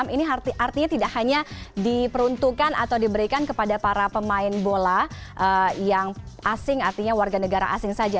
ini artinya tidak hanya diperuntukkan atau diberikan kepada para pemain bola yang asing artinya warga negara asing saja